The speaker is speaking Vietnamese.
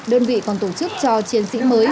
đơn vị còn tổ chức cho chiến sĩ mới